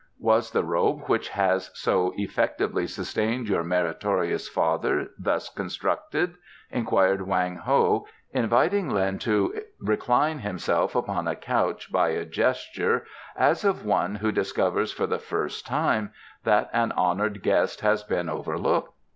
"Was the robe which has so effectively sustained your meritorious father thus constructed?" inquired Wang Ho, inviting Lin to recline himself upon a couch by a gesture as of one who discovers for the first time that an honoured guest has been overlooked.